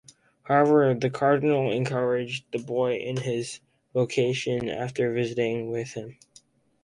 However, the Cardinal encouraged the boy in his vocation after visiting with him.